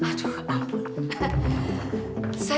kamu semua ngikutin si restu teh